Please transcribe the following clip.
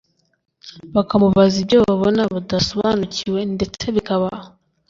bakamubaza ibyo babona badasobanukiwe, ndetse bikaba